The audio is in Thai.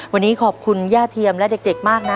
วันนี้ขอบคุณย่าเทียมและเด็กมากนะ